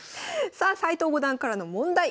さあ斎藤五段からの問題